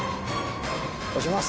押します。